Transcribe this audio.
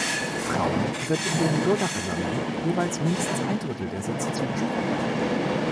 Frauen wird in den Bürgerversammlungen jeweils mindestens ein Drittel der Sitze zugesprochen.